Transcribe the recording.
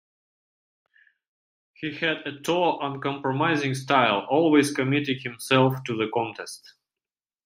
He had a tough, uncompromising style, always committing himself to the contest.